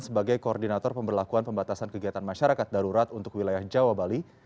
sebagai koordinator pemberlakuan pembatasan kegiatan masyarakat darurat untuk wilayah jawa bali